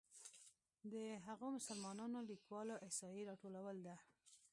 د هغو مسلمانو لیکوالو احصایې راټولول ده.